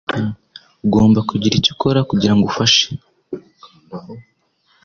Ugomba kugira icyo ukora kugirango ufashe